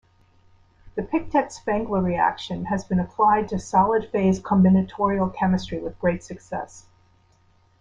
The Pictet-Spengler reaction has been applied to solid-phase combinatorial chemistry with great success.